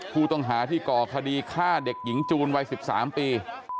ผู้ต้องหาที่ก่อคดีฆ่าเด็กหญิงจูนวัย๑๓ปี